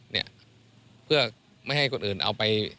เนี่ยเพื่อไม่ให้คนอื่นเอาไป